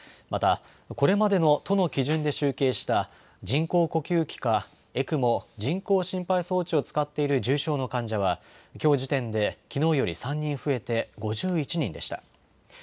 また、これまでの都の基準で集計した人工呼吸器かＥＣＭＯ・人工心肺装置を使っている重症の患者は、きょう時点できのうより３人増えて５１人でした。